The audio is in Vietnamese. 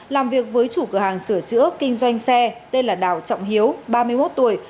làm việc với chủ cửa hàng sửa chữa kinh doanh xe tên là đào trọng hiếu ba mươi một tuổi